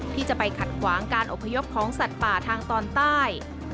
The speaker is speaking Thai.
ที่จะไปขัดขวางการอพยพของสัตว์ป่าทางตอนใต้